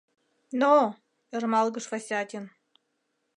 — Но! — ӧрмалгыш Васятин.